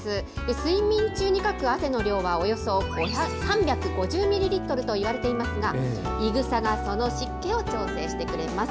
睡眠中にかく汗の量はおよそ３５０ミリリットルといわれていますが、いぐさがその湿気を調整してくれます。